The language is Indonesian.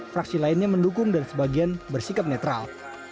fraksi lainnya mendukung dan sebagian bersikap netral